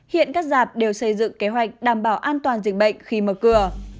hiện các dạp đều xây dựng kế hoạch đảm bảo an toàn dịch bệnh khi mở cửa